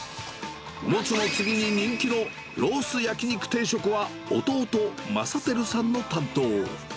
もつの次に人気のロース焼肉定食は弟、正輝さんの担当。